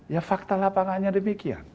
ya fakta lapangannya demikian